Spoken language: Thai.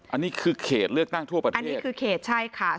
อันนี้คือเขตเลือกตั้งทั่วประเทศอันนี้คือเขตใช่ค่ะ